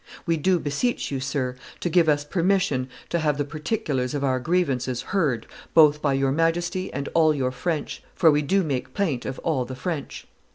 ... We do beseech you, sir, to give us permission to have the particulars of our grievances heard both by your Majesty and all your French, for we do make plaint of all the French.